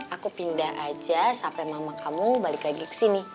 aku pindah aja sampe mama kamu balik lagi kesini